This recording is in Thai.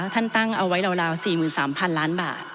ท่านตั้งเอาไว้ราว๔๓๐๐๐ล้านบาท